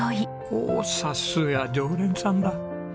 おおさすが常連さんだ。